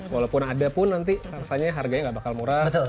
walaupun ada pun nanti rasanya harganya nggak bakal murah